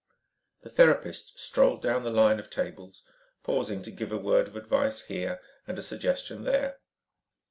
The therapist strolled down the line of tables, pausing to give a word of advice here, and a suggestion there.